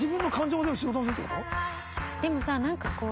でもさなんかこう。